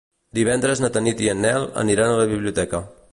Divendres na Tanit i en Nel aniran a la biblioteca.